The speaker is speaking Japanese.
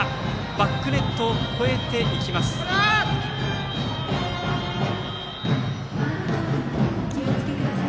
バックネットを越えていきました。